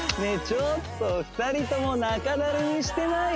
ちょっと２人とも中だるみしてない？